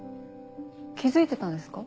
気付いてたんですか？